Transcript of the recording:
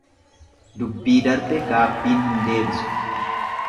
Dubbi darbe gaabbiin hin deebisu.